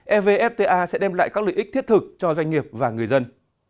evfta sẽ đem lại các lợi ích thiết thực cho doanh nghiệp và người dân